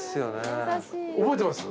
覚えてます？